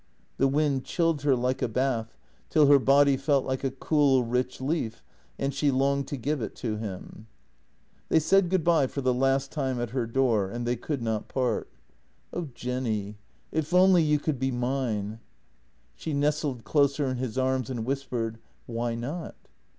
The wind chilled her like a bath, till her body felt like a cool rich leaf, and she longed to give it to him. They said good bye for the last time at her door, and they could not part. 1 18 JENNY " Oh, Jenny, if only you could be mine! " She nestled closer in his arms and whispered: " Why not?